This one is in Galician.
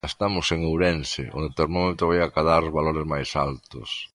Estamos en Ourense onde o termómetro vai acadar os valores máis altos.